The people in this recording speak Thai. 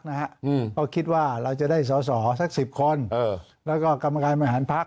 นะฮะก็คิดว่าเราจะได้สอสัก๑๐คนแล้วกรรมการมหารพัก